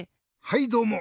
はいどうも！